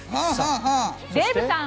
デーブさん